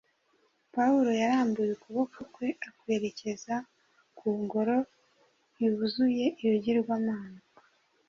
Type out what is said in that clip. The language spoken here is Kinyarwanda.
Pawulo yarambuye ukuboko kwe akwerekeza ku ngoro yuzuye ibigirwamana